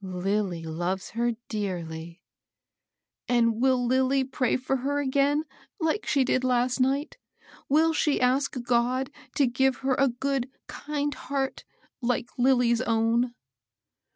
Lilly loves her dearly." " And will Lilly pray for her again, hke she did l^st night ? Will she ask God to give her a good, kind heart, like Lilly's own